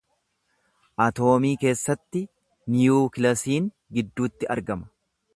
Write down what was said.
Atoomii keessatti niyuukilaasiin gidduutti argama.